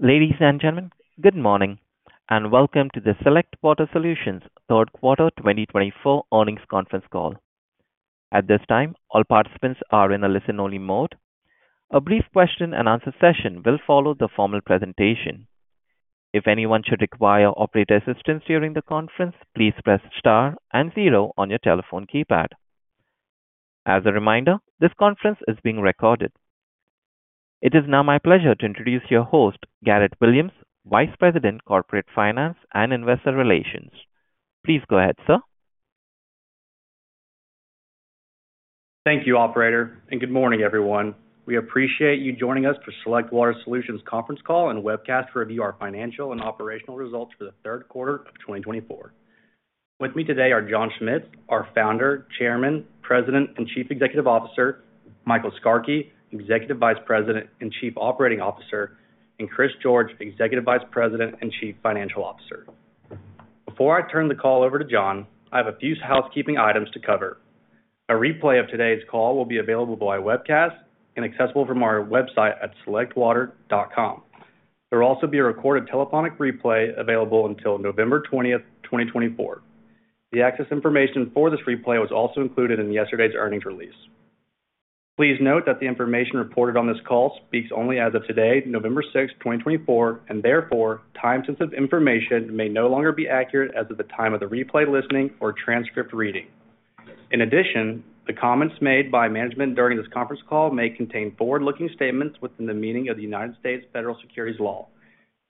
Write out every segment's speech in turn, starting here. Ladies and gentlemen, good morning and welcome to the Select Water Solutions Q3 2024 earnings conference call. At this time, all participants are in a listen-only mode. A brief question-and-answer session will follow the formal presentation. If anyone should require operator assistance during the conference, please press star and zero on your telephone keypad. As a reminder, this conference is being recorded. It is now my pleasure to introduce your host, Garrett Williams, Vice President, Corporate Finance and Investor Relations. Please go ahead, sir. Thank you, Operator, and good morning, everyone. We appreciate you joining us for Select Water Solutions conference call and webcast to review our financial and operational results for Q3 2024. With me today are John Schmitz, our Founder, Chairman, President, and Chief Executive Officer, Michael Skarke, Executive Vice President and Chief Operating Officer, and Chris George, Executive Vice President and Chief Financial Officer. Before I turn the call over to John, I have a few housekeeping items to cover. A replay of today's call will be available via webcast and accessible from our website at selectwater.com. There will also be a recorded telephonic replay available until November 20, 2024. The access information for this replay was also included in yesterday's earnings release. Please note that the information reported on this call speaks only as of today, November 6, 2024, and therefore, time-sensitive information may no longer be accurate as of the time of the replay listening or transcript reading. In addition, the comments made by management during this conference call may contain forward-looking statements within the meaning of the United States federal securities law.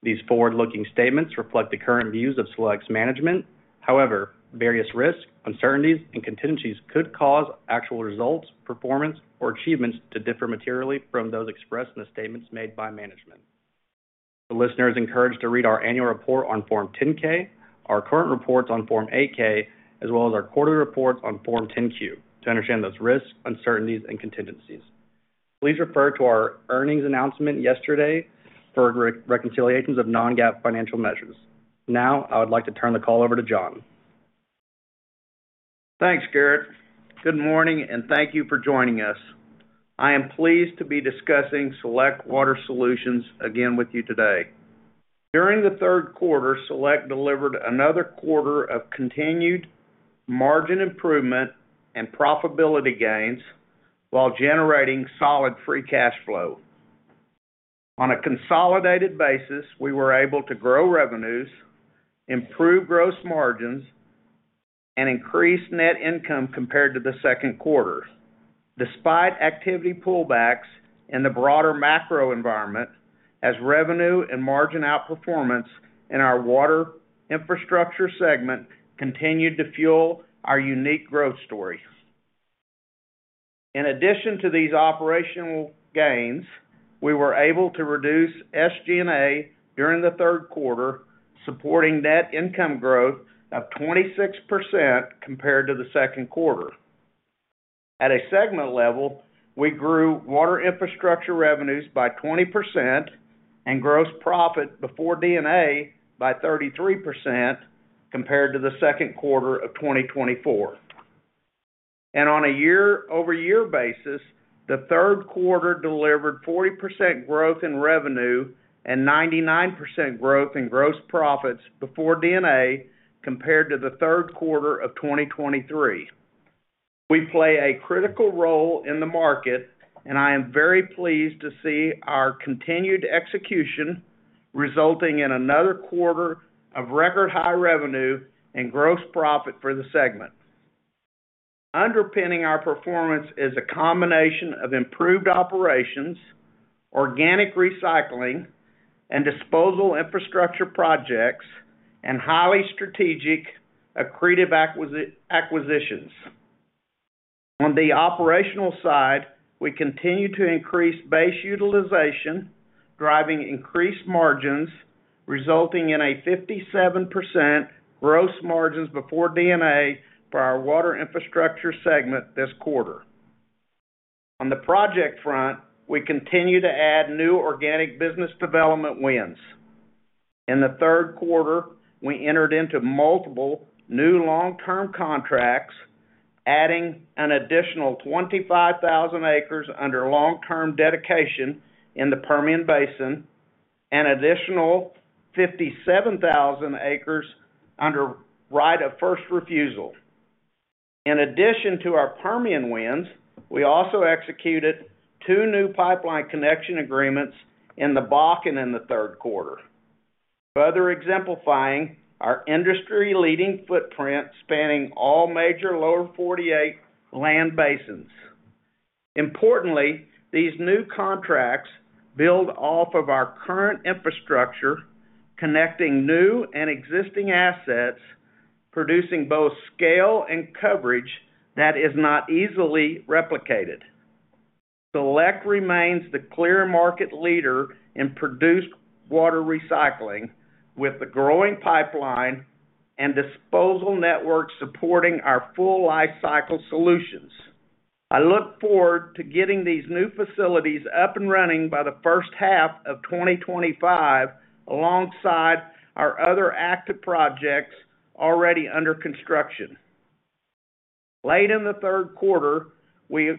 These forward-looking statements reflect the current views of Select's management. However, various risks, uncertainties, and contingencies could cause actual results, performance, or achievements to differ materially from those expressed in the statements made by management. The listeners are encouraged to read our annual report on Form 10-K, our current reports on Form 8-K, as well as our quarterly reports on Form 10-Q to understand those risks, uncertainties, and contingencies. Please refer to our earnings announcement yesterday for reconciliations of non-GAAP financial measures. Now, I would like to turn the call over to John. Thanks, Garrett. Good morning, and thank you for joining us. I am pleased to be discussing Select Water Solutions again with you today. During Q3, Select delivered another quarter of continued margin improvement and profitability gains while generating solid Free Cash Flow. On a consolidated basis, we were able to grow revenues, improve gross margins, and increase net income compared to Q2, despite activity pullbacks in the broader macro environment as revenue and margin outperformance in our Water Infrastructure segment continued to fuel our unique growth story. In addition to these operational gains, we were able to reduce SG&A during Q3, supporting net income growth of 26% compared to Q2. At a segment level, we grew Water Infrastructure revenues by 20% and gross profit before D&A by 33% compared to Q2 of 2024. And on a year-over-year basis, Q3 delivered 40% growth in revenue and 99% growth in gross profits before D&A compared to Q3 of 2023. We play a critical role in the market, and I am very pleased to see our continued execution resulting in another quarter of record-high revenue and gross profit for the segment. Underpinning our performance is a combination of improved operations, organic recycling, and disposal infrastructure projects, and highly strategic accretive acquisitions. On the operational side, we continue to increase base utilization, driving increased margins, resulting in a 57% gross margins before D&A for our water infrastructure segment this quarter. On the project front, we continue to add new organic business development wins. In Q3, we entered into multiple new long-term contracts, adding an additional 25,000 acres under long-term dedication in the Permian Basin and an additional 57,000 acres under right of first refusal. In addition to our Permian wins, we also executed two new pipeline connection agreements in the Bakken and in Q3, further exemplifying our industry-leading footprint spanning all major Lower 48 land basins. Importantly, these new contracts build off of our current infrastructure, connecting new and existing assets, producing both scale and coverage that is not easily replicated. Select remains the clear market leader in produced water recycling, with the growing pipeline and disposal network supporting our full life cycle solutions. I look forward to getting these new facilities up and running by the first half of 2025, alongside our other active projects already under construction. Late in Q3, we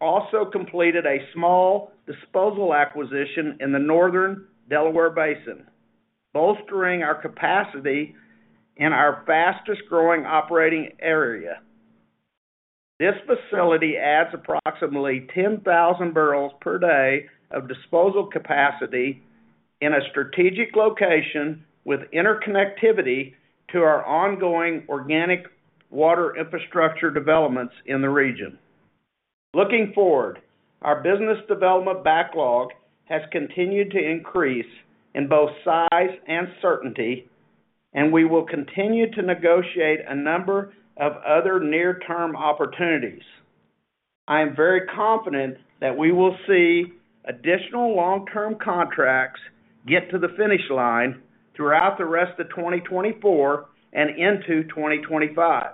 also completed a small disposal acquisition in the northern Delaware Basin, bolstering our capacity in our fastest-growing operating area. This facility adds approximately 10,000 barrels per day of disposal capacity in a strategic location with interconnectivity to our ongoing organic water infrastructure developments in the region. Looking forward, our business development backlog has continued to increase in both size and certainty, and we will continue to negotiate a number of other near-term opportunities. I am very confident that we will see additional long-term contracts get to the finish line throughout the rest of 2024 and into 2025.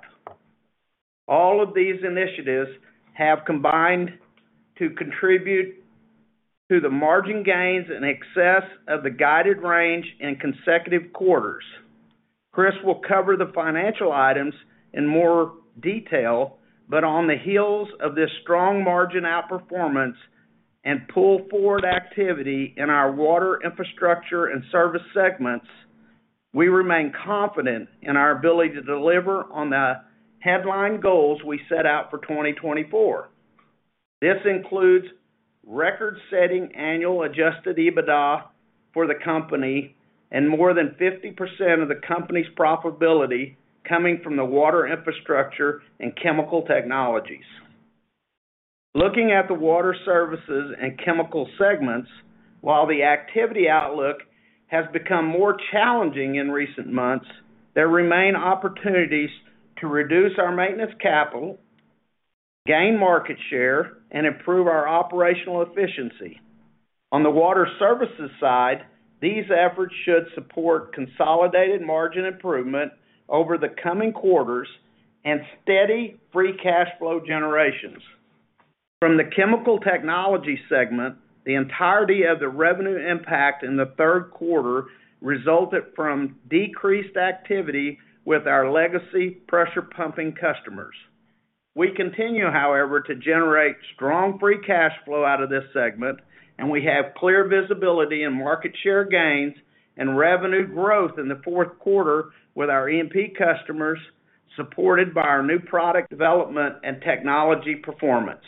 All of these initiatives have combined to contribute to the margin gains in excess of the guided range in consecutive quarters. Chris will cover the financial items in more detail, but on the heels of this strong margin outperformance and pull-forward activity in our water infrastructure and service segments, we remain confident in our ability to deliver on the headline goals we set out for 2024. This includes record-setting annual Adjusted EBITDA for the company and more than 50% of the company's profitability coming from the Water Infrastructure and Chemical Technologies. Looking at the Water Services and Chemical segments, while the activity outlook has become more challenging in recent months, there remain opportunities to reduce our Maintenance CapEx, gain market share, and improve our operational efficiency. On the Water Services side, these efforts should support consolidated margin improvement over the coming quarters and steady free cash flow generation. From the Chemical Technologies segment, the entirety of the revenue impact in Q3 resulted from decreased activity with our legacy pressure pumping customers. We continue, however, to generate strong free cash flow out of this segment, and we have clear visibility in market share gains and revenue growth in Q4 with our E&P customers, supported by our new product development and technology performance.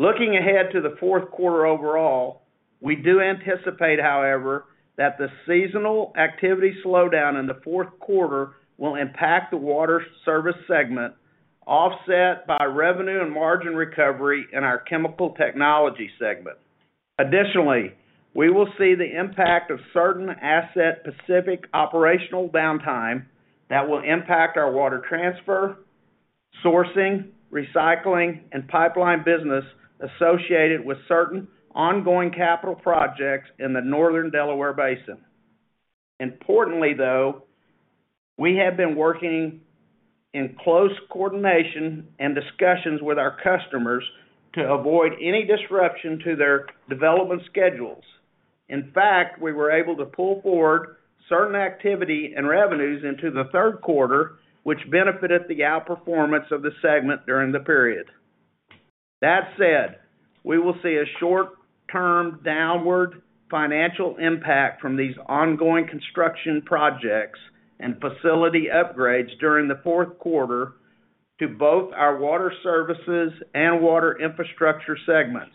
Looking ahead to Q4 overall, we do anticipate, however, that the seasonal activity slowdown in Q4 will impact the Water Services segment, offset by revenue and margin recovery in our Chemical Technologies segment. Additionally, we will see the impact of certain asset-specific operational downtime that will impact our water transfer, sourcing, recycling, and pipeline business associated with certain ongoing capital projects in the Northern Delaware Basin. Importantly, though, we have been working in close coordination and discussions with our customers to avoid any disruption to their development schedules. In fact, we were able to pull forward certain activity and revenues into Q3, which benefited the outperformance of the segment during the period. That said, we will see a short-term downward financial impact from these ongoing construction projects and facility upgrades during Q4 to both our Water Services and Water Infrastructure segments.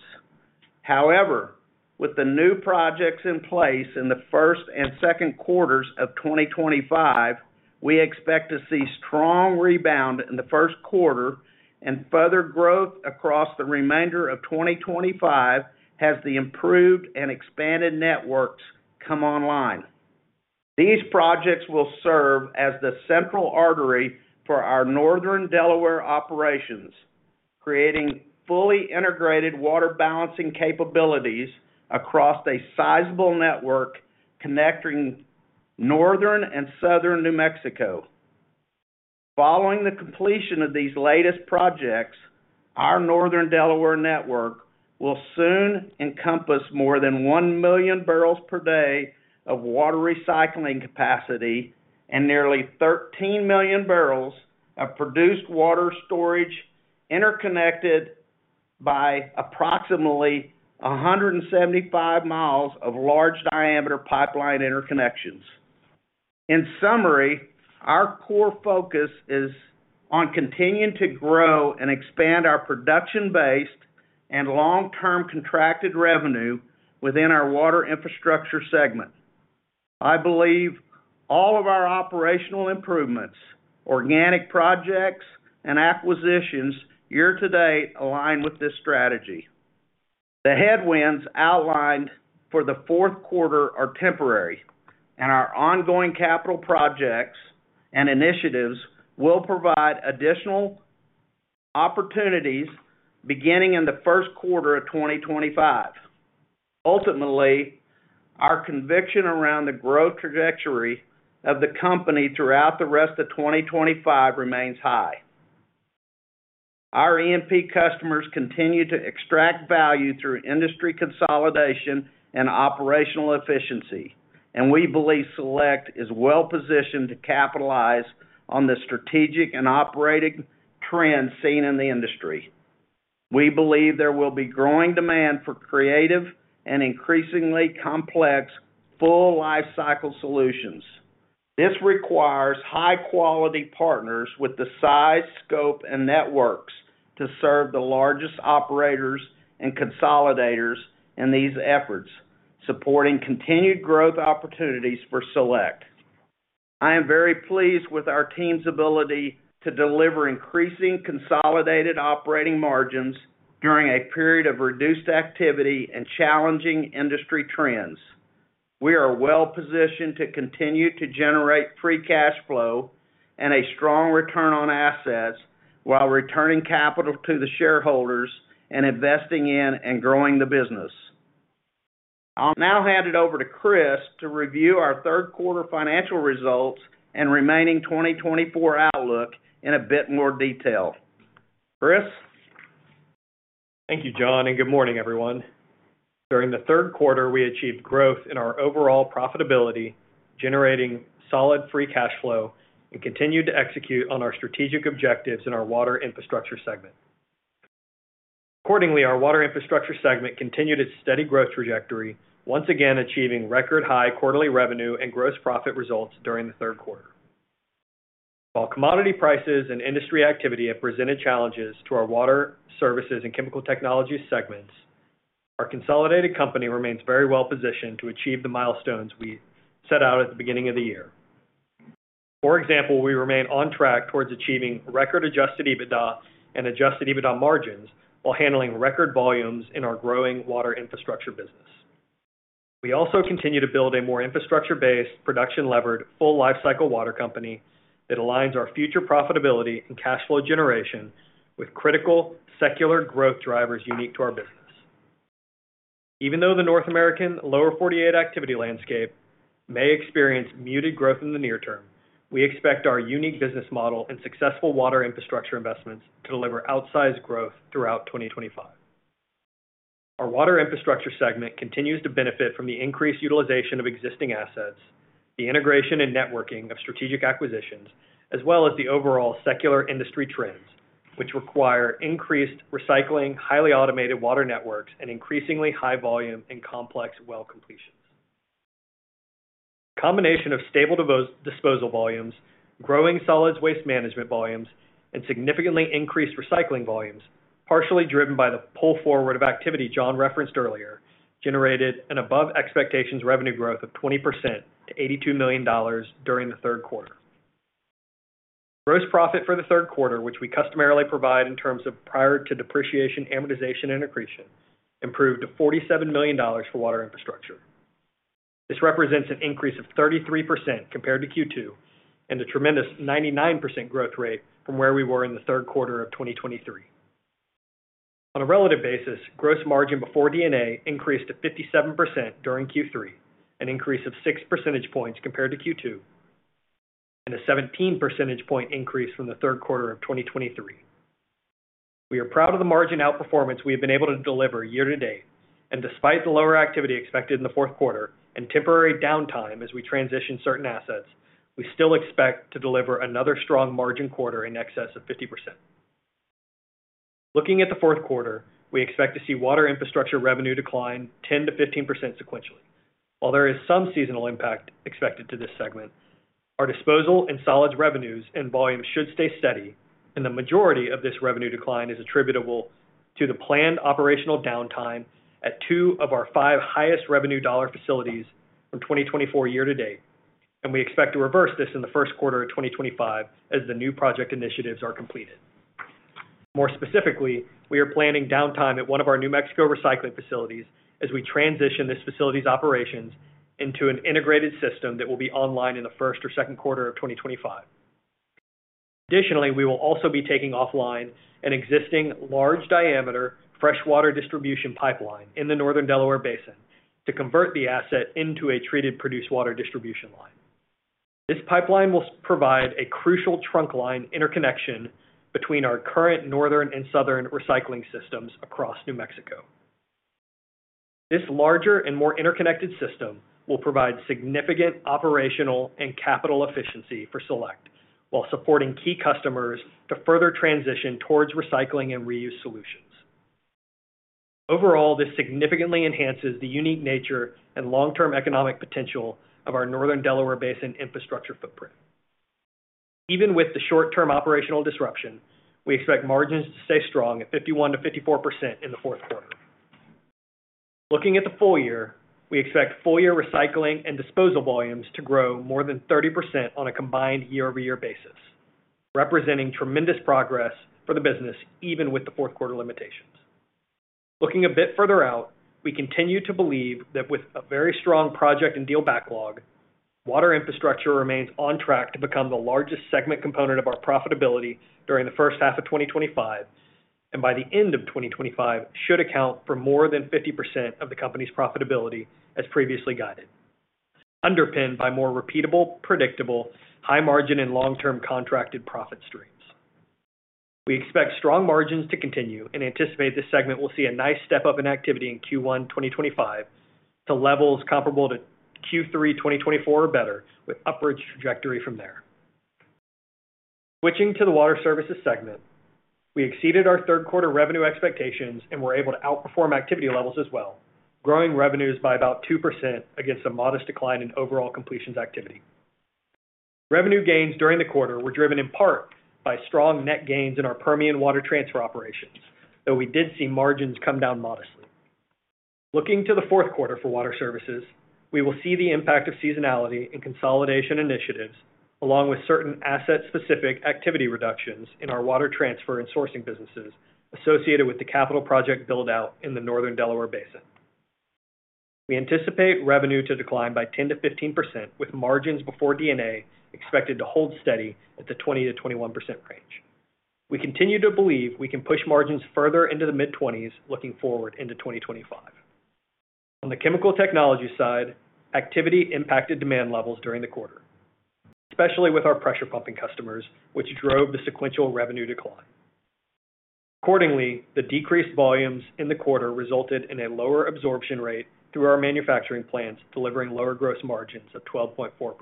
However, with the new projects in place in Q1 and Q2 of 2025, we expect to see strong rebound in Q1 and further growth across the remainder of 2025 as the improved and expanded networks come online. These projects will serve as the central artery for our Northern Delaware operations, creating fully integrated water balancing capabilities across a sizable network connecting northern and southern New Mexico. Following the completion of these latest projects, our Northern Delaware network will soon encompass more than one million barrels per day of water recycling capacity and nearly 13 million barrels of produced water storage interconnected by approximately 175 miles of large-diameter pipeline interconnections. In summary, our core focus is on continuing to grow and expand our production-based and long-term contracted revenue within our water infrastructure segment. I believe all of our operational improvements, organic projects, and acquisitions year-to-date align with this strategy. The headwinds outlined for Q4 are temporary, and our ongoing capital projects and initiatives will provide additional opportunities beginning in Q1 of 2025. Ultimately, our conviction around the growth trajectory of the company throughout the rest of 2025 remains high. Our E&P customers continue to extract value through industry consolidation and operational efficiency, and we believe Select is well-positioned to capitalize on the strategic and operating trends seen in the industry. We believe there will be growing demand for creative and increasingly complex full life cycle solutions. This requires high-quality partners with the size, scope, and networks to serve the largest operators and consolidators in these efforts, supporting continued growth opportunities for Select. I am very pleased with our team's ability to deliver increasing consolidated operating margins during a period of reduced activity and challenging industry trends. We are well-positioned to continue to generate free cash flow and a strong return on assets while returning capital to the shareholders and investing in and growing the business. I'll now hand it over to Chris to review our Q3 financial results and remaining 2024 outlook in a bit more detail. Chris? Thank you, John, and good morning, everyone. During Q3, we achieved growth in our overall profitability, generating solid free cash flow, and continued to execute on our strategic objectives in our Water Infrastructure segment. Accordingly, our Water Infrastructure segment continued its steady growth trajectory, once again achieving record-high quarterly revenue and gross profit results during Q3. While commodity prices and industry activity have presented challenges to our Water Services and Chemical Technologies segments, our consolidated company remains very well-positioned to achieve the milestones we set out at the beginning of the year. For example, we remain on track towards achieving record Adjusted EBITDA and Adjusted EBITDA margins while handling record volumes in our growing Water Infrastructure business. We also continue to build a more infrastructure-based, production-levered, full life cycle water company that aligns our future profitability and cash flow generation with critical secular growth drivers unique to our business. Even though the North American Lower 48 activity landscape may experience muted growth in the near term, we expect our unique business model and successful Water Infrastructure investments to deliver outsized growth throughout 2025. Our Water Infrastructure segment continues to benefit from the increased utilization of existing assets, the integration and networking of strategic acquisitions, as well as the overall secular industry trends, which require increased recycling, highly automated water networks, and increasingly high volume and complex well completions. The combination of stable disposal volumes, growing solids waste management volumes, and significantly increased recycling volumes, partially driven by the pull-forward of activity John referenced earlier, generated an above-expectations revenue growth of 20% to $82 million during Q3. Gross profit for Q3, which we customarily provide in terms of prior to depreciation, amortization, and accretion, improved to $47 million for Water Infrastructure. This represents an increase of 33% compared to Q2 and a tremendous 99% growth rate from where we were in Q3 of 2023. On a relative basis, gross margin before D&A increased to 57% during Q3, an increase of 6 percentage points compared to Q2, and a 17 percentage point increase from Q3 of 2023. We are proud of the margin outperformance we have been able to deliver year-to-date, and despite the lower activity expected in Q4 and temporary downtime as we transition certain assets, we still expect to deliver another strong margin quarter in excess of 50%. Looking at Q4, we expect to see water infrastructure revenue decline 10%-15% sequentially. While there is some seasonal impact expected to this segment, our disposal and solids revenues and volumes should stay steady, and the majority of this revenue decline is attributable to the planned operational downtime at two of our five highest revenue dollar facilities from 2024 year-to-date, and we expect to reverse this in Q1 of 2025 as the new project initiatives are completed. More specifically, we are planning downtime at one of our New Mexico recycling facilities as we transition this facility's operations into an integrated system that will be online in Q1 or Q2 of 2025. Additionally, we will also be taking offline an existing large-diameter freshwater distribution pipeline in the Northern Delaware Basin to convert the asset into a treated produced water distribution line. This pipeline will provide a crucial trunk line interconnection between our current northern and southern recycling systems across New Mexico. This larger and more interconnected system will provide significant operational and capital efficiency for Select while supporting key customers to further transition towards recycling and reuse solutions. Overall, this significantly enhances the unique nature and long-term economic potential of our northern Delaware Basin infrastructure footprint. Even with the short-term operational disruption, we expect margins to stay strong at 51%-54% in Q4. Looking at the full year, we expect full-year recycling and disposal volumes to grow more than 30% on a combined year-over-year basis, representing tremendous progress for the business even with the Q4 limitations. Looking a bit further out, we continue to believe that with a very strong project and deal backlog, water infrastructure remains on track to become the largest segment component of our profitability during the first half of 2025, and by the end of 2025 should account for more than 50% of the company's profitability as previously guided, underpinned by more repeatable, predictable, high-margin, and long-term contracted profit streams. We expect strong margins to continue and anticipate this segment will see a nice step-up in activity in Q1 2025 to levels comparable to Q3 2024 or better, with upward trajectory from there. Switching to the water services segment, we exceeded our Q3 revenue expectations and were able to outperform activity levels as well, growing revenues by about 2% against a modest decline in overall completions activity. Revenue gains during the quarter were driven in part by strong net gains in our Permian water transfer operations, though we did see margins come down modestly. Looking to Q4 for Water Services, we will see the impact of seasonality and consolidation initiatives along with certain asset-specific activity reductions in our water transfer and sourcing businesses associated with the capital project build-out in the Northern Delaware Basin. We anticipate revenue to decline by 10%-15%, with margins before D&A expected to hold steady at the 20%-21% range. We continue to believe we can push margins further into the mid-20s looking forward into 2025. On the Chemical Technologies side, activity impacted demand levels during the quarter, especially with our Pressure Pumping customers, which drove the sequential revenue decline. Accordingly, the decreased volumes in the quarter resulted in a lower absorption rate through our manufacturing plants, delivering lower gross margins of 12.4%.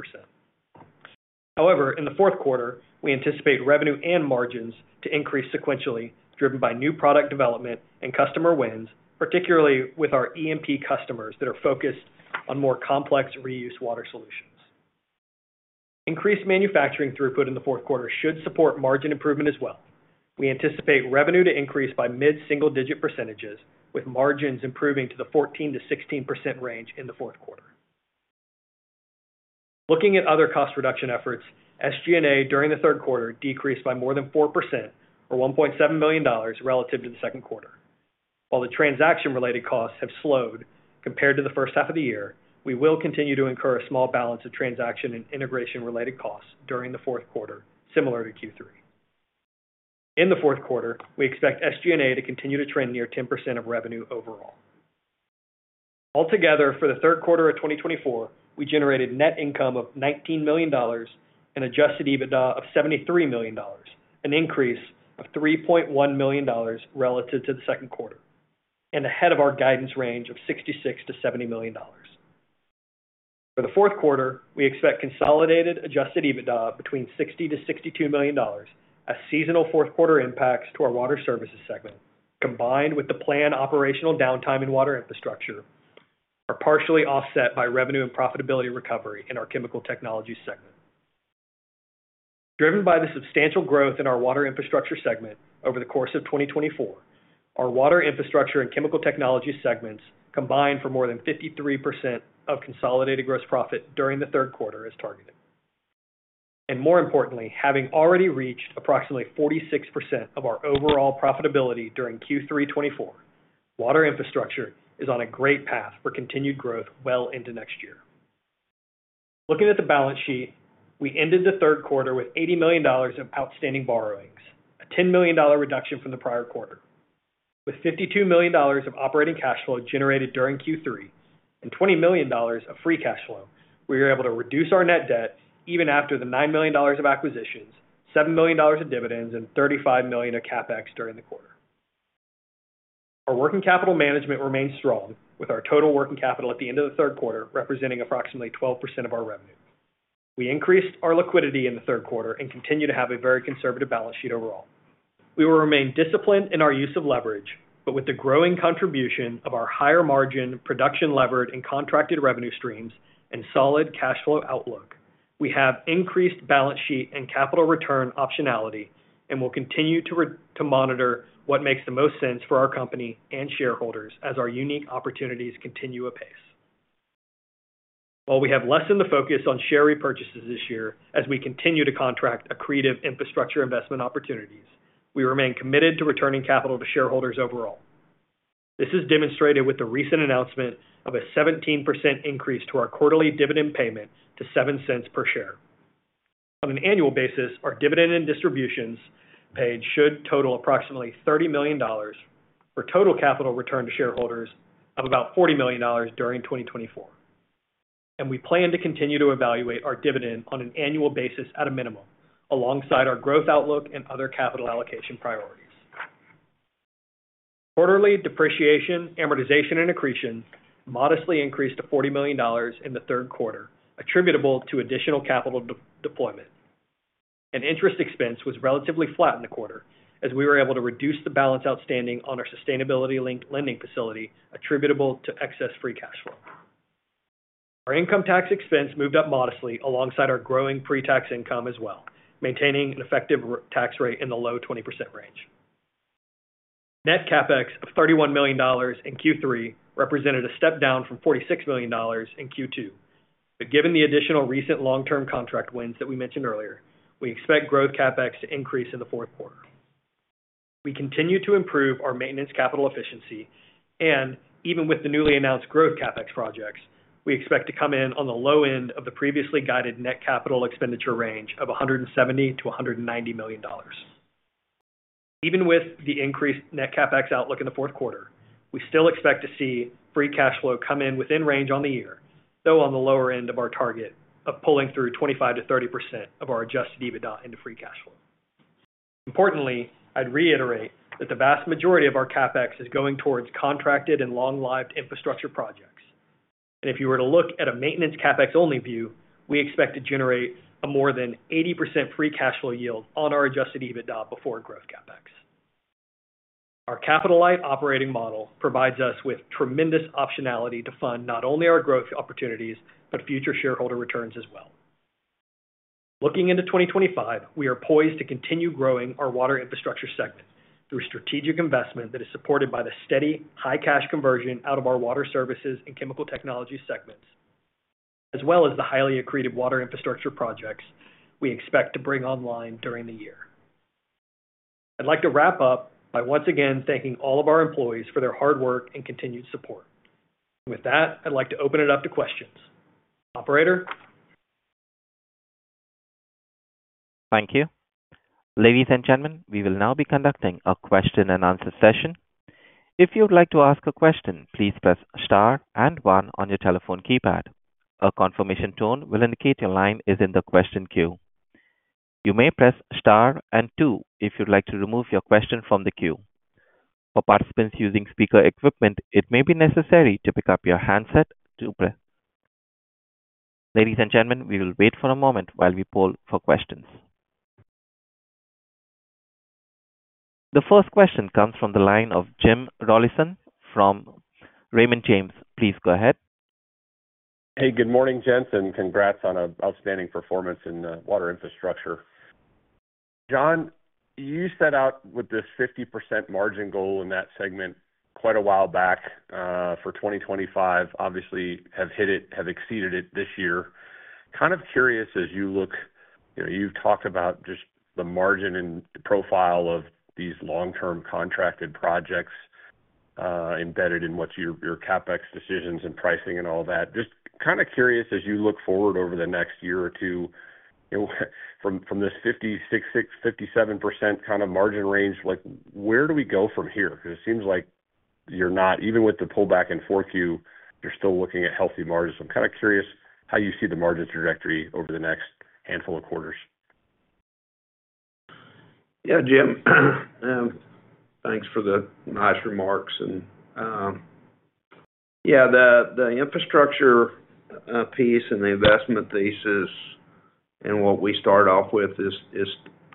However, in Q4, we anticipate revenue and margins to increase sequentially, driven by new product development and customer wins, particularly with our E&P customers that are focused on more complex reuse water solutions. Increased manufacturing throughput in Q4 should support margin improvement as well. We anticipate revenue to increase by mid-single-digit percentages, with margins improving to the 14% to 16% range in Q4. Looking at other cost reduction efforts, SG&A during Q4 decreased by more than 4%, or $1.7 million relative to Q2. While the transaction-related costs have slowed compared to the first half of the year, we will continue to incur a small balance of transaction and integration-related costs during Q4, similar to Q3. In Q4, we expect SG&A to continue to trend near 10% of revenue overall. Altogether, for Q3 of 2024, we generated net income of $19 million and adjusted EBITDA of $73 million, an increase of $3.1 million relative to Q2, and ahead of our guidance range of $66 million-$70 million. For Q4, we expect consolidated adjusted EBITDA between $60 million-$62 million as seasonal Q4 impacts to our Water Services segment, combined with the planned operational downtime in Water Infrastructure, are partially offset by revenue and profitability recovery in our Chemical Technologies segment. Driven by the substantial growth in our Water Infrastructure segment over the course of 2024, our Water Infrastructure and Chemical Technologies segments combined for more than 53% of consolidated gross profit during Q3 as targeted. More importantly, having already reached approximately 46% of our overall profitability during Q3 2024, water infrastructure is on a great path for continued growth well into next year. Looking at the balance sheet, we ended Q3 with $80 million of outstanding borrowings, a $10 million reduction from the prior quarter. With $52 million of operating cash flow generated during Q3 and $20 million of free cash flow, we were able to reduce our net debt even after the $9 million of acquisitions, $7 million of dividends, and $35 million of CapEx during the quarter. Our working capital management remained strong, with our total working capital at the end of Q3 representing approximately 12% of our revenue. We increased our liquidity in Q3 and continue to have a very conservative balance sheet overall. We will remain disciplined in our use of leverage, but with the growing contribution of our higher-margin, production-levered, and contracted revenue streams and solid cash flow outlook, we have increased balance sheet and capital return optionality and will continue to monitor what makes the most sense for our company and shareholders as our unique opportunities continue apace. While we have lessened the focus on share repurchases this year as we continue to contract accretive infrastructure investment opportunities, we remain committed to returning capital to shareholders overall. This is demonstrated with the recent announcement of a 17% increase to our quarterly dividend payment to $0.07 per share. On an annual basis, our dividend and distributions paid should total approximately $30 million for total capital return to shareholders of about $40 million during 2024. We plan to continue to evaluate our dividend on an annual basis at a minimum, alongside our growth outlook and other capital allocation priorities. Quarterly depreciation, amortization, and accretion modestly increased to $40 million in Q3, attributable to additional capital deployment. Interest expense was relatively flat in Q4 as we were able to reduce the balance outstanding on our sustainability-linked lending facility, attributable to excess Free Cash Flow. Our income tax expense moved up modestly alongside our growing pre-tax income as well, maintaining an effective tax rate in the low 20% range. Net CapEx of $31 million in Q3 represented a step down from $46 million in Q2, but given the additional recent long-term contract wins that we mentioned earlier, we expect Growth CapEx to increase in Q4. We continue to improve our maintenance capital efficiency, and even with the newly announced Growth CapEx projects, we expect to come in on the low end of the previously guided net capital expenditure range of $170 million-$190 million. Even with the increased net CapEx outlook in Q4, we still expect to see Free Cash Flow come in within range on the year, though on the lower end of our target of pulling through 25%-30% of our Adjusted EBITDA into Free Cash Flow. Importantly, I'd reiterate that the vast majority of our CapEx is going towards contracted and long-lived infrastructure projects. And if you were to look at a Maintenance CapEx-only view, we expect to generate a more than 80% Free Cash Flow yield on our Adjusted EBITDA before Growth CapEx. Our capital-light operating model provides us with tremendous optionality to fund not only our growth opportunities but future shareholder returns as well. Looking into 2025, we are poised to continue growing our Water Infrastructure segment through strategic investment that is supported by the steady, high-cash conversion out of our Water Services and Chemical Technologies segments, as well as the highly accretive Water Infrastructure projects we expect to bring online during the year. I'd like to wrap up by once again thanking all of our employees for their hard work and continued support. With that, I'd like to open it up to questions. Operator? Thank you. Ladies and gentlemen, we will now be conducting a question-and-answer session. If you'd like to ask a question, please press Star and 1 on your telephone keypad. A confirmation tone will indicate your line is in the question queue. You may press Star and 2 if you'd like to remove your question from the queue. For participants using speaker equipment, it may be necessary to pick up your handset to press. Ladies and gentlemen, we will wait for a moment while we poll for questions. The first question comes from the line of Jim Rollyson from Raymond James. Please go ahead. Hey, good morning, John. Congrats on an outstanding performance in water infrastructure. John, you set out with this 50% margin goal in that segment quite a while back for 2025. Obviously, you have hit it, have exceeded it this year. Kind of curious, as you look, you've talked about just the margin and profile of these long-term contracted projects embedded in what's your CapEx decisions and pricing and all that. Just kind of curious, as you look forward over the next year or two, from this 56%-57% kind of margin range, where do we go from here? Because it seems like you're not, even with the pullback in Q4, you're still looking at healthy margins. I'm kind of curious how you see the margin trajectory over the next handful of quarters. Yeah, Jim, thanks for the nice remarks. And yeah, the infrastructure piece and the investment thesis and what we start off with is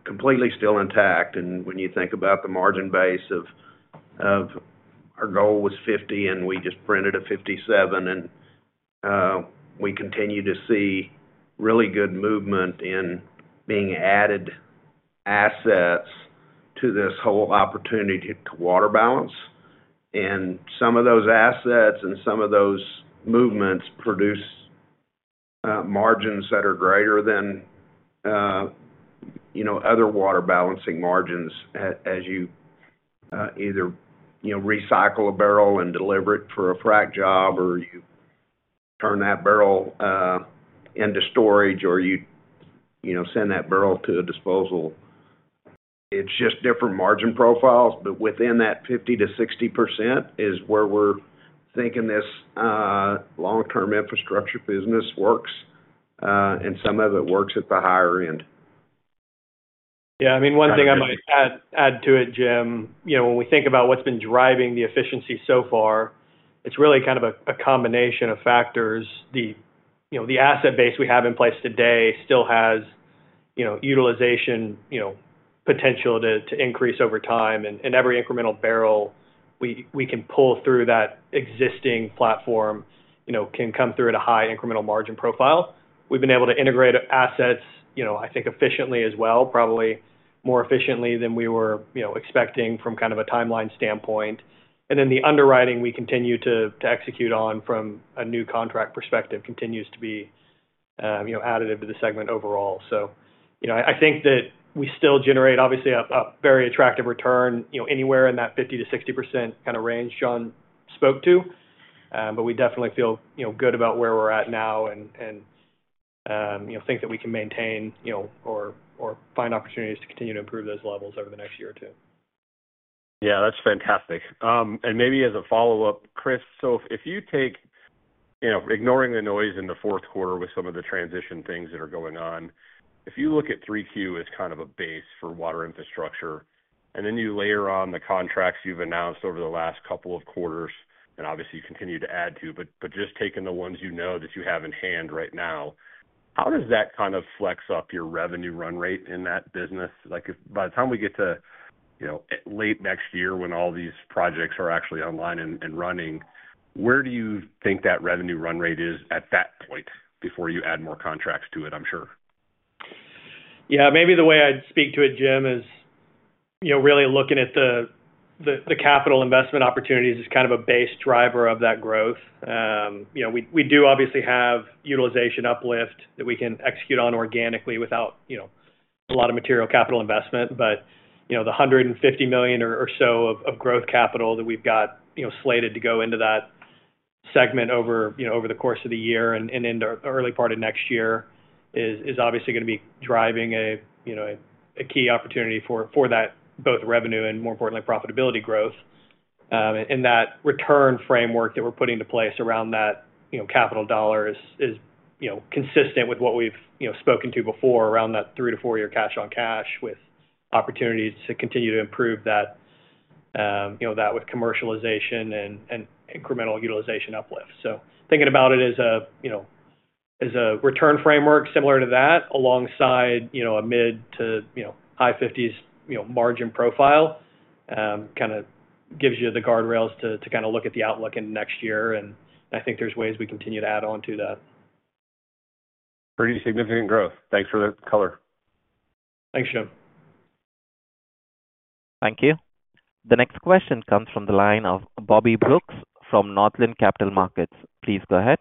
completely still intact. And when you think about the margin base of our goal was 50, and we just printed a 57, and we continue to see really good movement in being added assets to this whole opportunity to water balance. Some of those assets and some of those movements produce margins that are greater than other water balancing margins, as you either recycle a barrel and deliver it for a frac job, or you turn that barrel into storage, or you send that barrel to a disposal. It's just different margin profiles, but within that 50%-60% is where we're thinking this long-term infrastructure business works, and some of it works at the higher end. Yeah, I mean, one thing I might add to it, Jim, when we think about what's been driving the efficiency so far, it's really kind of a combination of factors. The asset base we have in place today still has utilization potential to increase over time, and every incremental barrel we can pull through that existing platform can come through at a high incremental margin profile. We've been able to integrate assets, I think, efficiently as well, probably more efficiently than we were expecting from kind of a timeline standpoint. And then the underwriting we continue to execute on from a new contract perspective continues to be additive to the segment overall. So I think that we still generate, obviously, a very attractive return anywhere in that 50%-60% kind of range John spoke to, but we definitely feel good about where we're at now and think that we can maintain or find opportunities to continue to improve those levels over the next year or two. Yeah, that's fantastic. Maybe as a follow-up, Chris, so if you take ignoring the noise in Q4 with some of the transition things that are going on, if you look at Q3 as kind of a base for Water Infrastructure, and then you layer on the contracts you've announced over the last couple of quarters, and obviously, you continue to add to, but just taking the ones you know that you have in hand right now, how does that kind of flex up your revenue run rate in that business? By the time we get to late next year when all these projects are actually online and running, where do you think that revenue run rate is at that point before you add more contracts to it, I'm sure? Yeah, maybe the way I'd speak to it, Jim, is really looking at the capital investment opportunities as kind of a base driver of that growth. We do obviously have utilization uplift that we can execute on organically without a lot of material capital investment, but the $150 million or so of growth capital that we've got slated to go into that segment over the course of the year and into early part of next year is obviously going to be driving a key opportunity for that, both revenue and, more importantly, profitability growth, and that return framework that we're putting into place around that capital dollar is consistent with what we've spoken to before around that three to four-year cash on cash with opportunities to continue to improve that with commercialization and incremental utilization uplift. So thinking about it as a return framework similar to that, alongside a mid- to high-50s margin profile, kind of gives you the guardrails to kind of look at the outlook in next year, and I think there's ways we continue to add on to that. Pretty significant growth. Thanks for the color. Thanks, Jim. Thank you. The next question comes from the line of Bobby Brooks from Northland Capital Markets. Please go ahead.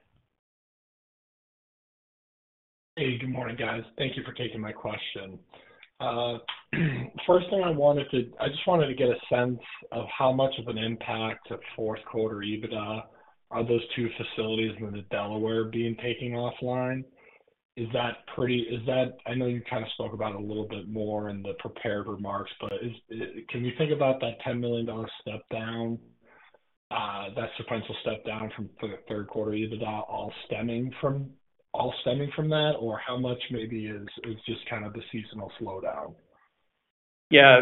Hey, good morning, guys. Thank you for taking my question. First thing, I just wanted to get a sense of how much of an impact on Q4 EBITDA are those two facilities in Delaware being taken offline. Is that pretty—I know you kind of spoke about it a little bit more in the prepared remarks, but can you think about that $10 million step down, that sequential step down from Q3 EBITDA all stemming from that, or how much maybe is just kind of the seasonal slowdown? Yeah,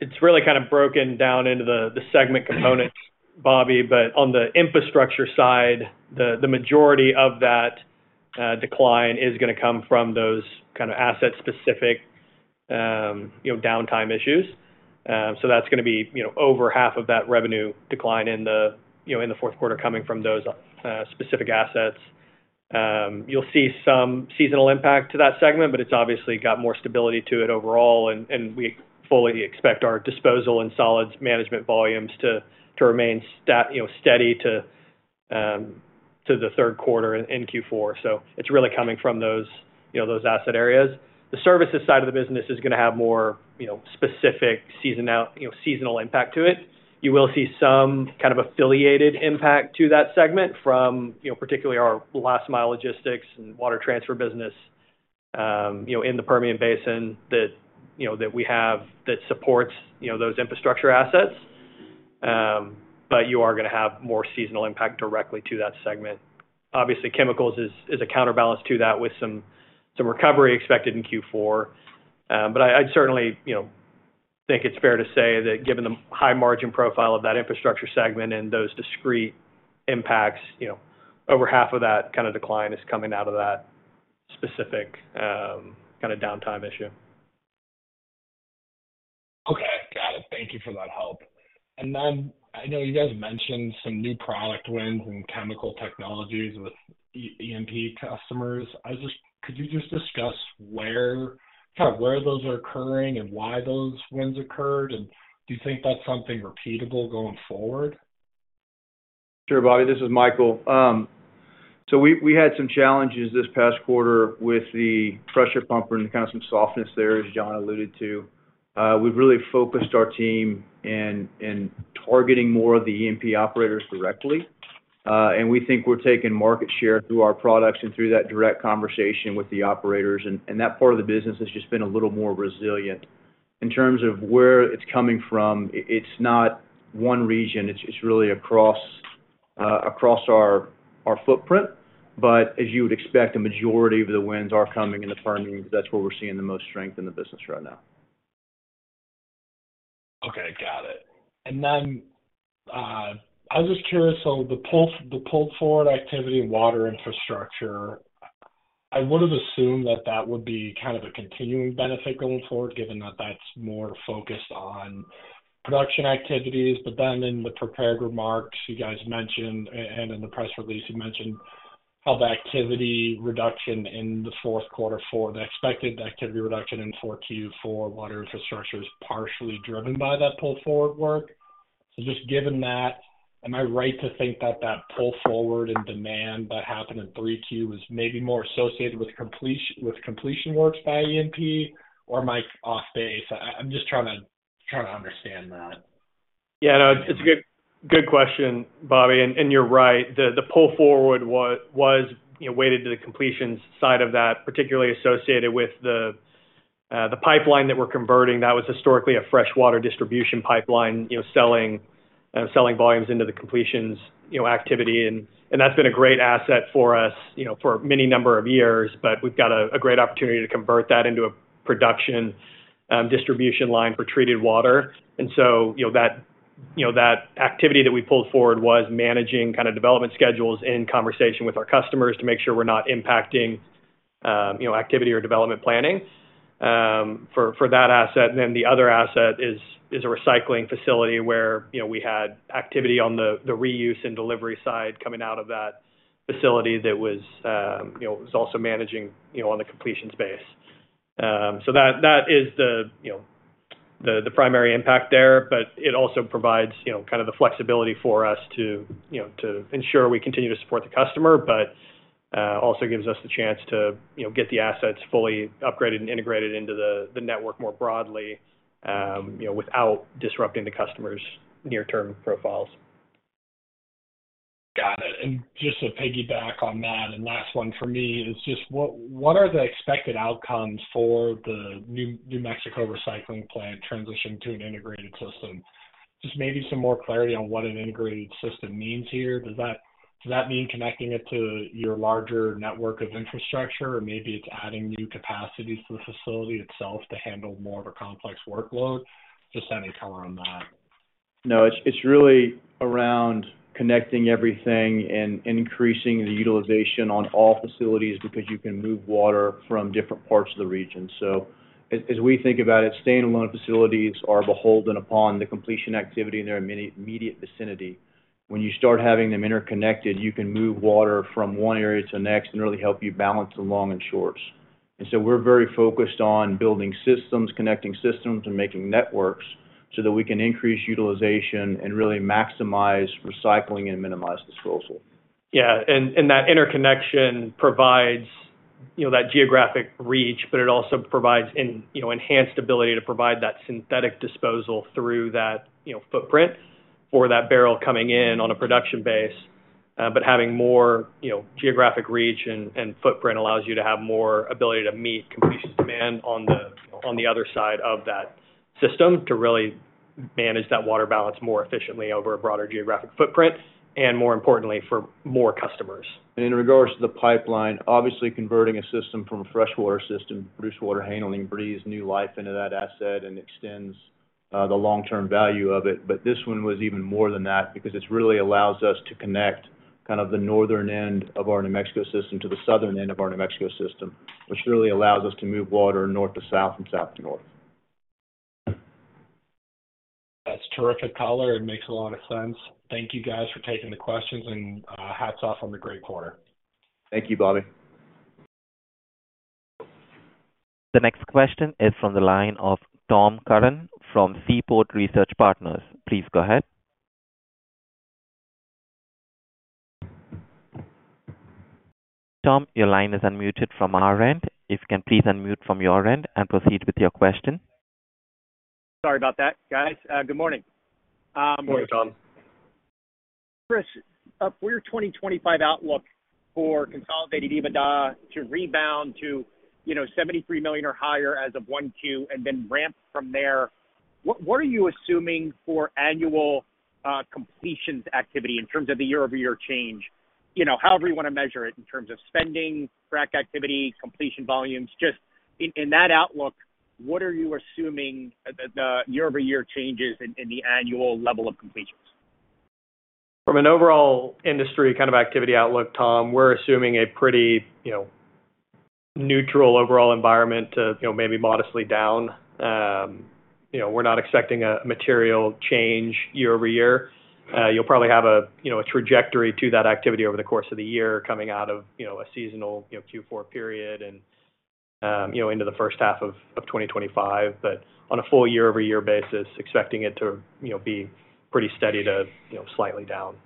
it's really kind of broken down into the segment components, Bobby, but on the infrastructure side, the majority of that decline is going to come from those kind of asset-specific downtime issues. So that's going to be over half of that revenue decline in the fourth quarter coming from those specific assets. You'll see some seasonal impact to that segment, but it's obviously got more stability to it overall, and we fully expect our disposal and solids management volumes to remain steady to the third quarter in Q4. So it's really coming from those asset areas. The services side of the business is going to have more specific seasonal impact to it. You will see some kind of affiliated impact to that segment from particularly our last-mile logistics and water transfer business in the Permian Basin that we have that supports those infrastructure assets, but you are going to have more seasonal impact directly to that segment. Obviously, Chemicals is a counterbalance to that with some recovery expected in Q4, but I'd certainly think it's fair to say that given the high margin profile of that infrastructure segment and those discrete impacts, over half of that kind of decline is coming out of that specific kind of downtime issue. Okay, got it. Thank you for that help. And then I know you guys mentioned some new product wins and Chemical Technologies with E&P customers. Could you just discuss kind of where those are occurring and why those wins occurred, and do you think that's something repeatable going forward? Sure, Bobby. This is Michael. So we had some challenges this past quarter with the pressure pumping and kind of some softness there, as John alluded to. We've really focused our team in targeting more of the E&P operators directly, and we think we're taking market share through our products and through that direct conversation with the operators, and that part of the business has just been a little more resilient. In terms of where it's coming from, it's not one region. It's really across our footprint, but as you would expect, the majority of the wins are coming in the Permian because that's where we're seeing the most strength in the business right now. Okay, got it. Then I was just curious, so the pull forward activity in water infrastructure, I would have assumed that that would be kind of a continuing benefit going forward, given that that's more focused on production activities. But then in the prepared remarks, you guys mentioned, and in the press release, you mentioned how the activity reduction in the fourth quarter for the expected activity reduction in Q4 water infrastructure is partially driven by that pull forward work. So just given that, am I right to think that that pull forward in demand that happened in Q3 was maybe more associated with completion works by E&P or in the Midland Basin? I'm just trying to understand that. Yeah, no, it's a good question, Bobby. You're right. The pull forward was weighted to the completions side of that, particularly associated with the pipeline that we're converting. That was historically a freshwater distribution pipeline selling volumes into the completions activity, and that's been a great asset for us for a many number of years, but we've got a great opportunity to convert that into a production distribution line for treated water, and so that activity that we pulled forward was managing kind of development schedules in conversation with our customers to make sure we're not impacting activity or development planning for that asset, and then the other asset is a recycling facility where we had activity on the reuse and delivery side coming out of that facility that was also managing on the completions base. That is the primary impact there, but it also provides kind of the flexibility for us to ensure we continue to support the customer, but also gives us the chance to get the assets fully upgraded and integrated into the network more broadly without disrupting the customer's near-term profiles. Got it. And just to piggyback on that, and last one for me is just what are the expected outcomes for the New Mexico recycling plant transition to an integrated system? Just maybe some more clarity on what an integrated system means here. Does that mean connecting it to your larger network of infrastructure, or maybe it's adding new capacity to the facility itself to handle more of a complex workload? Just any color on that. No, it's really around connecting everything and increasing the utilization on all facilities because you can move water from different parts of the region. So as we think about it, standalone facilities are beholden upon the completion activity in their immediate vicinity. When you start having them interconnected, you can move water from one area to the next and really help you balance the long and shorts. And so we're very focused on building systems, connecting systems, and making networks so that we can increase utilization and really maximize recycling and minimize disposal. Yeah, and that interconnection provides that geographic reach, but it also provides enhanced ability to provide that synthetic disposal through that footprint for that barrel coming in on a production base. But having more geographic reach and footprint allows you to have more ability to meet completions demand on the other side of that system to really manage that water balance more efficiently over a broader geographic footprint and, more importantly, for more customers. In regards to the pipeline, obviously converting a system from a freshwater system to produced water handling breathes new life into that asset and extends the long-term value of it. But this one was even more than that because it really allows us to connect kind of the northern end of our New Mexico system to the southern end of our New Mexico system, which really allows us to move water north to south and south to north. That's terrific color. It makes a lot of sense. Thank you, guys, for taking the questions, and hats off on the great quarter. Thank you, Bobby. The next question is from the line of Tom Curran from Seaport Research Partners. Please go ahead. Tom, your line is unmuted from our end. If you can please unmute from your end and proceed with your question. Sorry about that, guys. Good morning. Morning, Tom. Chris, for your 2025 outlook for consolidated EBITDA to rebound to $73 million or higher as of Q1 and then ramp from there, what are you assuming for annual completions activity in terms of the year-over-year change? However you want to measure it in terms of spending, track activity, completion volumes, just in that outlook, what are you assuming the year-over-year changes in the annual level of completions? From an overall industry kind of activity outlook, Tom, we're assuming a pretty neutral overall environment to maybe modestly down. We're not expecting a material change year-over-year. You'll probably have a trajectory to that activity over the course of the year coming out of a seasonal Q4 period and into the first half of 2025, but on a full year-over-year basis, expecting it to be pretty steady to slightly down.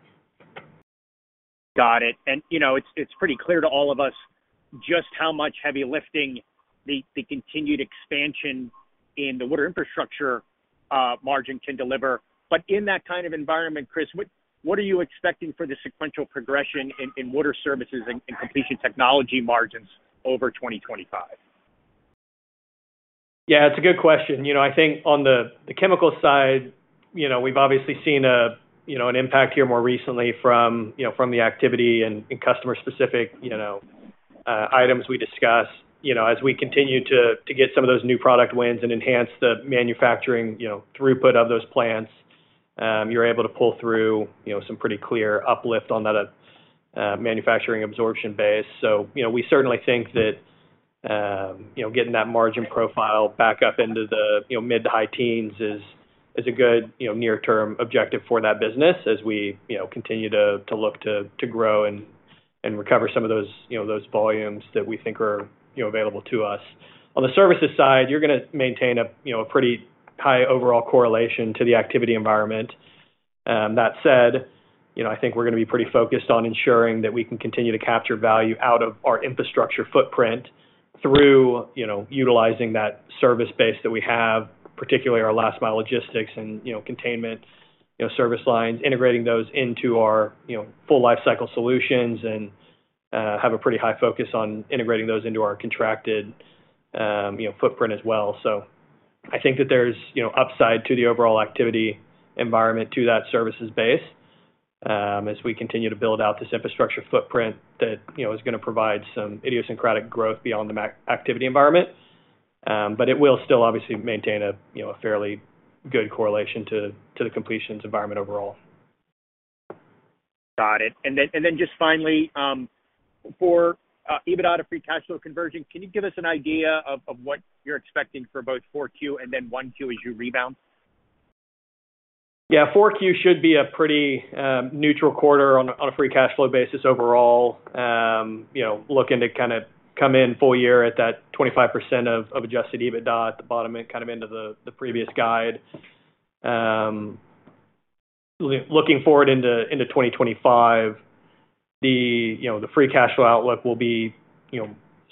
Got it. It's pretty clear to all of us just how much heavy lifting the continued expansion in the water infrastructure margin can deliver. But in that kind of environment, Chris, what are you expecting for the sequential progression in water services and completion technology margins over 2025? Yeah, it's a good question. I think on the chemical side, we've obviously seen an impact here more recently from the activity and customer-specific items we discuss. As we continue to get some of those new product wins and enhance the manufacturing throughput of those plants, you're able to pull through some pretty clear uplift on that manufacturing absorption base. So we certainly think that getting that margin profile back up into the mid to high teens is a good near-term objective for that business as we continue to look to grow and recover some of those volumes that we think are available to us. On the services side, you're going to maintain a pretty high overall correlation to the activity environment. That said, I think we're going to be pretty focused on ensuring that we can continue to capture value out of our infrastructure footprint through utilizing that service base that we have, particularly our last-mile logistics and containment service lines, integrating those into our full lifecycle solutions, and have a pretty high focus on integrating those into our contracted footprint as well. So I think that there's upside to the overall activity environment to that services base as we continue to build out this infrastructure footprint that is going to provide some idiosyncratic growth beyond the activity environment, but it will still obviously maintain a fairly good correlation to the completions environment overall. Got it. And then just finally, for EBITDA to free cash flow conversion, can you give us an idea of what you're expecting for both Q4 and then Q1 as you rebound? Yeah, Q4 should be a pretty neutral quarter on a free cash flow basis overall. Looking to kind of come in full year at that 25% of adjusted EBITDA at the bottom and kind of into the previous guide. Looking forward into 2025, the Free Cash Flow outlook will be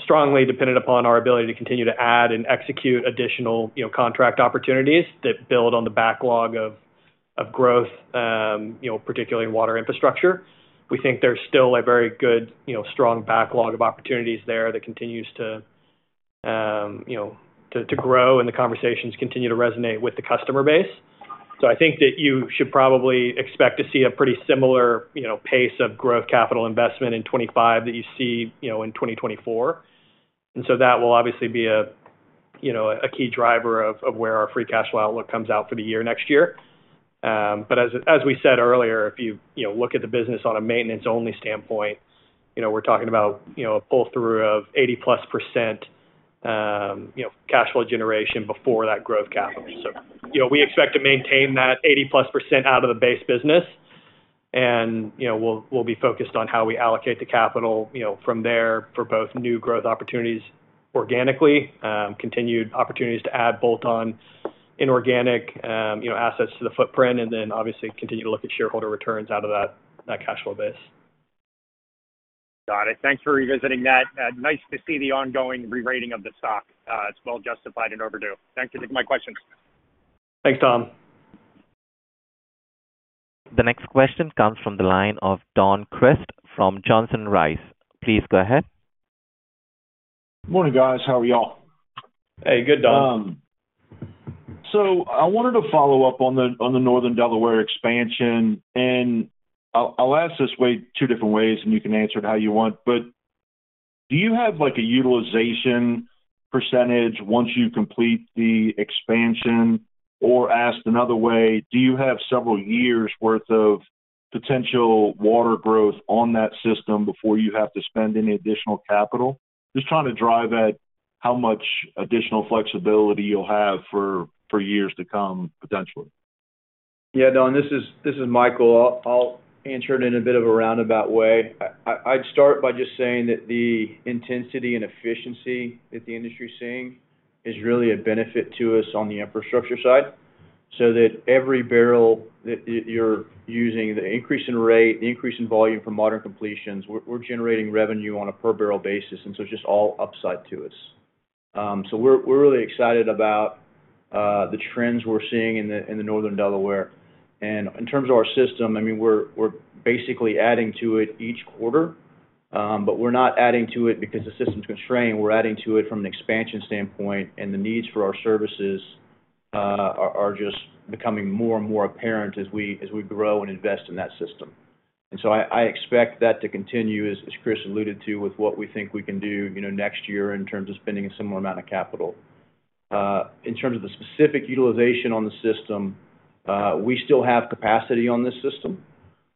strongly dependent upon our ability to continue to add and execute additional contract opportunities that build on the backlog of growth, particularly in Water Infrastructure. We think there's still a very good, strong backlog of opportunities there that continues to grow and the conversations continue to resonate with the customer base. So I think that you should probably expect to see a pretty similar pace of growth capital investment in 2025 that you see in 2024. And so that will obviously be a key driver of where our Free Cash Flow outlook comes out for the year next year. But as we said earlier, if you look at the business on a maintenance-only standpoint, we're talking about a pull-through of 80-plus% cash flow generation before that growth capital. So we expect to maintain that 80-plus% out of the base business, and we'll be focused on how we allocate the capital from there for both new growth opportunities organically, continued opportunities to add bolt-on inorganic assets to the footprint, and then obviously continue to look at shareholder returns out of that cash flow base. Got it. Thanks for revisiting that. Nice to see the ongoing re-rating of the stock. It's well justified and overdue. Thanks for taking my questions. Thanks, Tom. The next question comes from the line of Don Crist from Johnson Rice. Please go ahead. Morning, guys. How are we all? Hey, good, Don. So I wanted to follow up on the Northern Delaware expansion. And I'll ask this way two different ways, and you can answer it how you want. But do you have a utilization percentage once you complete the expansion? Or asked another way, do you have several years' worth of potential water growth on that system before you have to spend any additional capital? Just trying to drive at how much additional flexibility you'll have for years to come, potentially. Yeah, Don, this is Michael. I'll answer it in a bit of a roundabout way. I'd start by just saying that the intensity and efficiency that the industry is seeing is really a benefit to us on the infrastructure side. So that every barrel that you're using, the increase in rate, the increase in volume from modern completions, we're generating revenue on a per-barrel basis. And so it's just all upside to us. So we're really excited about the trends we're seeing in the Northern Delaware. And in terms of our system, I mean, we're basically adding to it each quarter, but we're not adding to it because the system's constrained. We're adding to it from an expansion standpoint, and the needs for our services are just becoming more and more apparent as we grow and invest in that system. And so I expect that to continue, as Chris alluded to, with what we think we can do next year in terms of spending a similar amount of capital. In terms of the specific utilization on the system, we still have capacity on this system.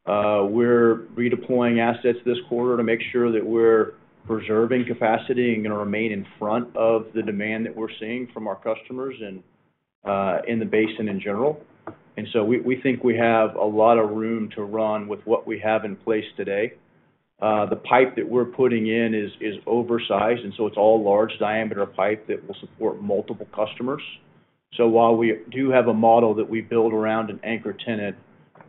We're redeploying assets this quarter to make sure that we're preserving capacity and going to remain in front of the demand that we're seeing from our customers and in the basin in general. And so we think we have a lot of room to run with what we have in place today. The pipe that we're putting in is oversized, and so it's all large-diameter pipe that will support multiple customers. So while we do have a model that we build around an anchor tenant,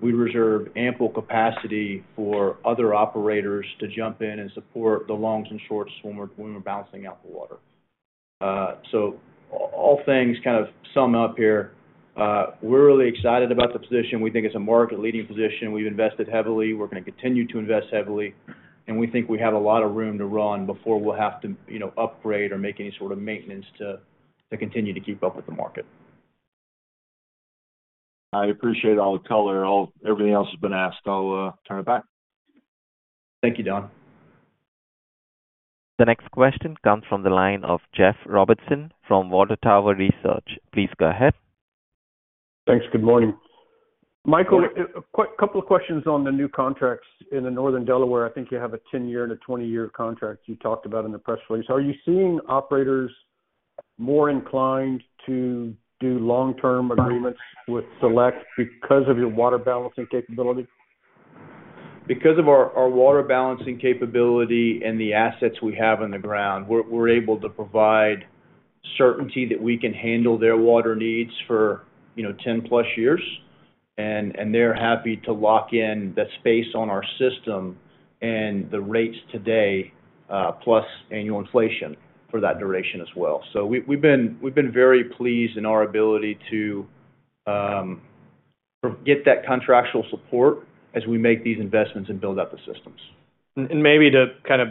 we reserve ample capacity for other operators to jump in and support the longs and shorts when we're balancing out the water. So all things kind of sum up here, we're really excited about the position. We think it's a market-leading position. We've invested heavily. We're going to continue to invest heavily. And we think we have a lot of room to run before we'll have to upgrade or make any sort of maintenance to continue to keep up with the market. I appreciate all the color. Everything else has been asked. I'll turn it back. Thank you, Don. The next question comes from the line of Jeff Robertson from Water Tower Research. Please go ahead. Thanks. Good morning. Michael, a couple of questions on the new contracts in the Northern Delaware. I think you have a 10-year and a 20-year contract you talked about in the press release. Are you seeing operators more inclined to do long-term agreements with Select because of your water balancing capability? Because of our water balancing capability and the assets we have on the ground, we're able to provide certainty that we can handle their water needs for 10-plus years. And they're happy to lock in the space on our system and the rates today, plus annual inflation for that duration as well. So we've been very pleased in our ability to get that contractual support as we make these investments and build out the systems. Maybe to kind of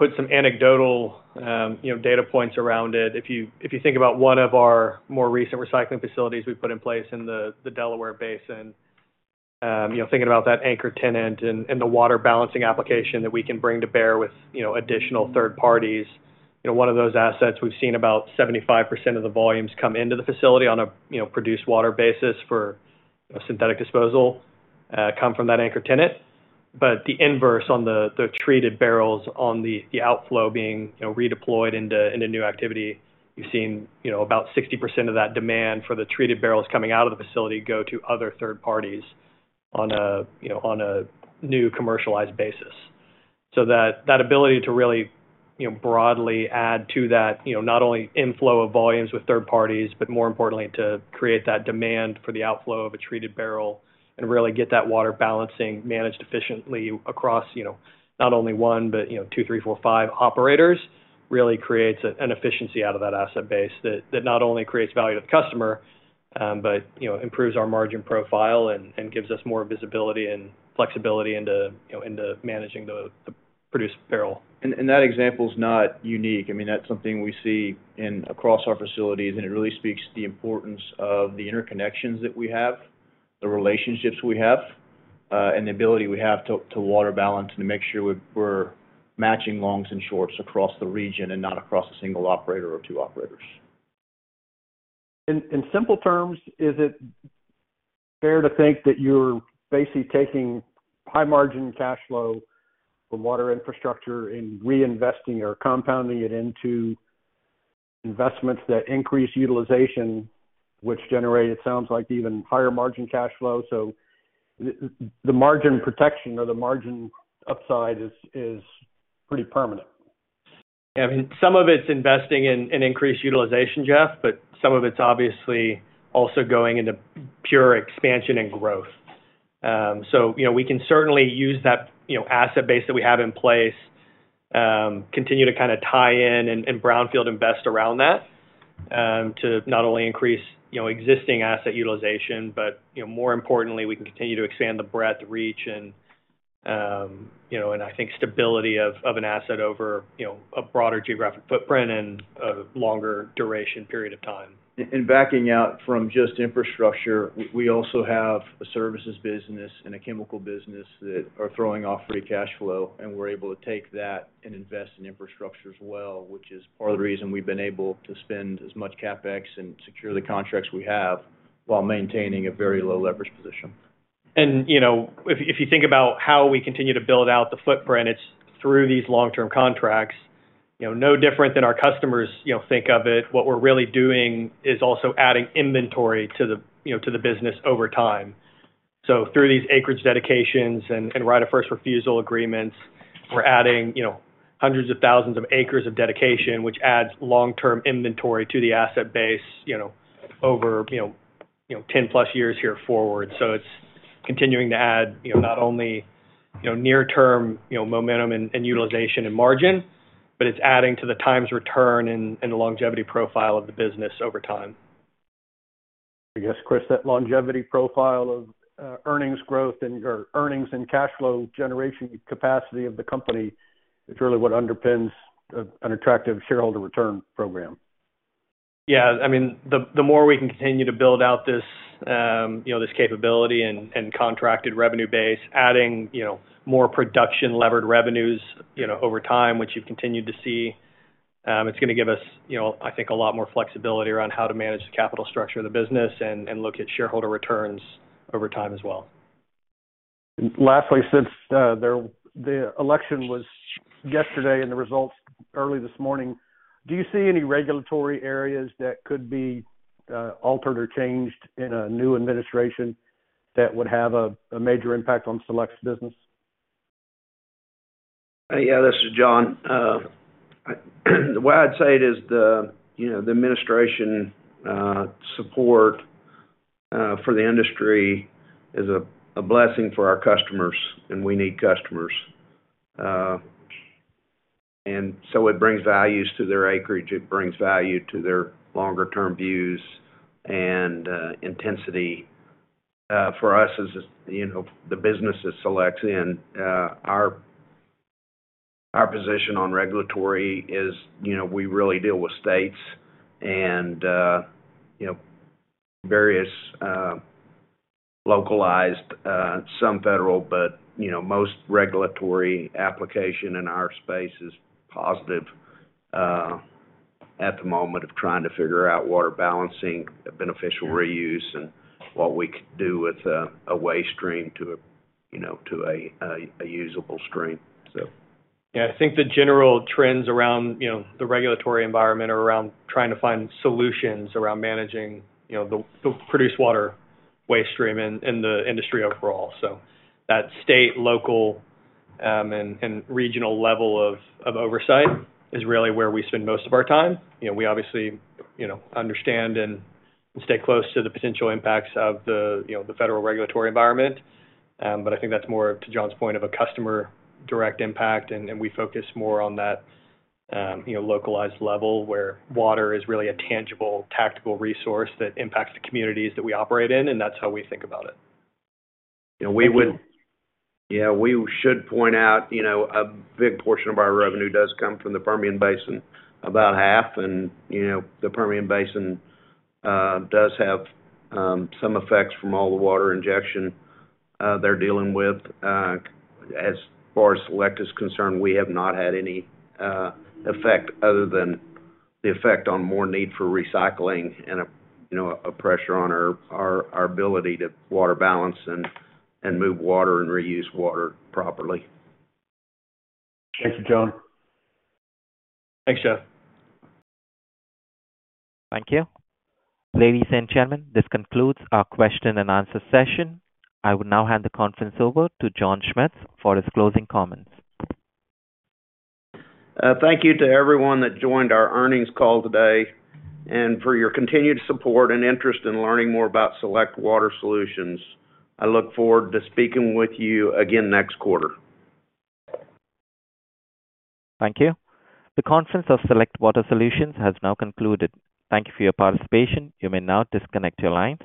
put some anecdotal data points around it. If you think about one of our more recent recycling facilities we put in place in the Delaware Basin, thinking about that anchor tenant and the water balancing application that we can bring to bear with additional third parties, one of those assets, we've seen about 75% of the volumes come into the facility on a produced water basis for subsequent disposal come from that anchor tenant. The inverse on the treated barrels on the outflow being redeployed into new activity. You've seen about 60% of that demand for the treated barrels coming out of the facility go to other third parties on a new commercialized basis. So that ability to really broadly add to that, not only inflow of volumes with third parties, but more importantly, to create that demand for the outflow of a treated barrel and really get that water balancing managed efficiently across not only one, but two, three, four, five operators, really creates an efficiency out of that asset base that not only creates value to the customer, but improves our margin profile and gives us more visibility and flexibility into managing the produced barrel. And that example is not unique. I mean, that's something we see across our facilities, and it really speaks to the importance of the interconnections that we have, the relationships we have, and the ability we have to water balance and to make sure we're matching longs and shorts across the region and not across a single operator or two operators. In simple terms, is it fair to think that you're basically taking high-margin cash flow from water infrastructure and reinvesting or compounding it into investments that increase utilization, which generate, it sounds like, even higher margin cash flow? So the margin protection or the margin upside is pretty permanent. Yeah. I mean, some of it's investing in increased utilization, Jeff, but some of it's obviously also going into pure expansion and growth. So we can certainly use that asset base that we have in place, continue to kind of tie in and brownfield invest around that to not only increase existing asset utilization, but more importantly, we can continue to expand the breadth, reach, and I think stability of an asset over a broader geographic footprint and a longer duration period of time. And backing out from just infrastructure, we also have a services business and a chemical business that are throwing off free cash flow, and we're able to take that and invest in infrastructure as well, which is part of the reason we've been able to spend as much CapEx and secure the contracts we have while maintaining a very low-leverage position. And if you think about how we continue to build out the footprint, it's through these long-term contracts. No different than our customers think of it. What we're really doing is also adding inventory to the business over time. So through these acreage dedications and right-of-first-refusal agreements, we're adding hundreds of thousands of acres of dedication, which adds long-term inventory to the asset base over 10-plus years here forward. So it's continuing to add not only near-term momentum and utilization and margin, but it's adding to the time's return and the longevity profile of the business over time. I guess, Chris, that longevity profile of earnings growth and earnings and cash flow generation capacity of the company is really what underpins an attractive shareholder return program. Yeah. I mean, the more we can continue to build out this capability and contracted revenue base, adding more production-levered revenues over time, which you've continued to see, it's going to give us, I think, a lot more flexibility around how to manage the capital structure of the business and look at shareholder returns over time as well. Lastly, since the election was yesterday and the results early this morning, do you see any regulatory areas that could be altered or changed in a new administration that would have a major impact on Select's business? Yeah, this is John. The way I'd say it is the administration support for the industry is a blessing for our customers, and we need customers. And so it brings values to their acreage. It brings value to their longer-term views and intensity. For us, as the business is Select, and our position on regulatory is we really deal with states and various localized, some federal, but most regulatory application in our space is positive at the moment of trying to figure out water balancing, beneficial reuse, and what we could do with a waste stream to a usable stream, so. Yeah. I think the general trends around the regulatory environment are around trying to find solutions around managing the produced water waste stream and the industry overall, so that state, local, and regional level of oversight is really where we spend most of our time. We obviously understand and stay close to the potential impacts of the federal regulatory environment. But I think that's more to John's point of a customer direct impact, and we focus more on that localized level where water is really a tangible, tactical resource that impacts the communities that we operate in, and that's how we think about it. Yeah. We should point out a big portion of our revenue does come from the Permian Basin, about half, and the Permian Basin does have some effects from all the water injection they're dealing with. As far as Select is concerned, we have not had any effect other than the effect on more need for recycling and a pressure on our ability to water balance and move water and reuse water properly. Thank you, John. Thanks, Jeff. Thank you. Ladies and gentlemen, this concludes our question and answer session. I will now hand the conference over to John Schmitz for his closing comments. Thank you to everyone that joined our earnings call today and for your continued support and interest in learning more about Select Water Solutions. I look forward to speaking with you again next quarter. Thank you. The conference of Select Water Solutions has now concluded. Thank you for your participation. You may now disconnect your lines.